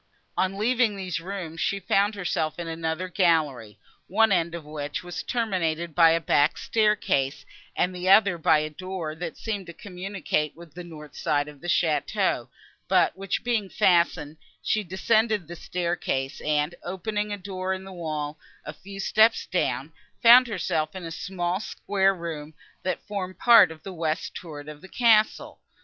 On leaving these rooms, she found herself in another gallery, one end of which was terminated by a back staircase, and the other by a door, that seemed to communicate with the north side of the château, but which being fastened, she descended the staircase, and, opening a door in the wall, a few steps down, found herself in a small square room, that formed part of the west turret of the castle.